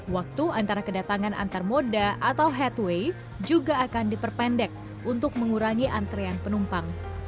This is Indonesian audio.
waktu antara kedatangan antar moda atau headway juga akan diperpendek untuk mengurangi antrean penumpang